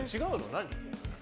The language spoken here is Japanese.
何？